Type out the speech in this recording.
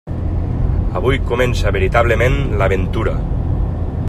Avui comença veritablement l'aventura.